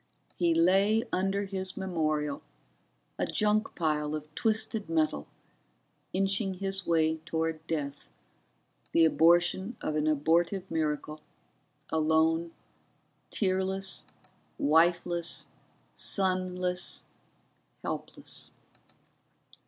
He lay under his memorial, a junk pile of twisted metal, inching his way toward death, the abortion of an abortive miracle, alone, tearless, wifeless, sonless, helpless.